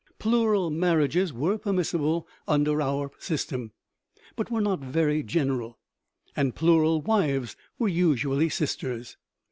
Plural marriages were permissible under our system, but were not very general, and plural wives were usually sisters.